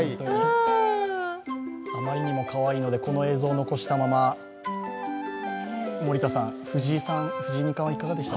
あまりにもかわいいので、この映像を残したまま、森田さん、藤井二冠はいかがでした？